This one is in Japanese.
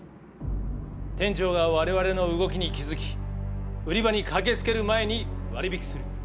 店長が我々の動きに気付き売り場に駆けつける前に割り引きする。